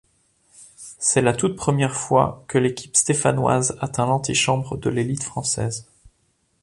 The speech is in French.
C'est la toute première fois que l'équipe stéphanoise atteint l'antichambre de l'élite française.